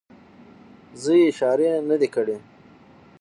زه یې اشارې نه دي کړې.